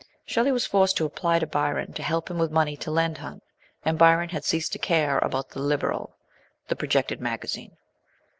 Shelley was forced to apply to Byron to help him with money to lend Hunt, and Byron had ceased to care about the Liberal, the projected magazine.